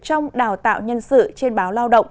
trong đào tạo nhân sự trên báo lao động